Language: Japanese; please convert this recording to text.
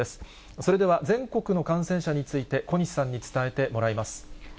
それでは、全国の感染者について、小西さんに伝えてもらいます。